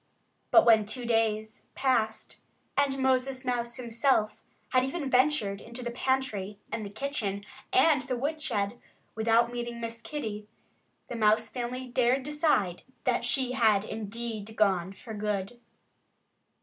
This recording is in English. But when two days passed, and Moses Mouse himself had even ventured into the pantry, and the kitchen, and the woodshed, without meeting Miss Kitty, the Mouse family dared decide that she had indeed gone for good.